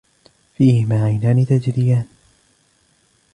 فِيهِمَا عَيْنَانِ تَجْرِيَانِ